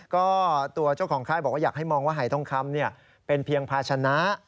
ก็ตัวเจ้าของค่ายบอกว่าอยากให้มองว่าหายทองคำเป็นเพียงภาชนะ